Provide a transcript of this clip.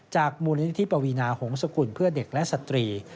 มูลนิธิปวีนาหงษกุลเพื่อเด็กและสตรี